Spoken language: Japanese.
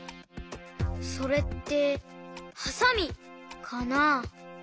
それってはさみかな？